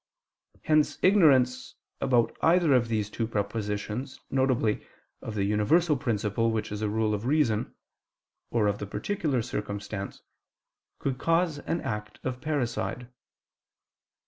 Hence ignorance about either of these two propositions, viz. of the universal principle which is a rule of reason, or of the particular circumstance, could cause an act of parricide.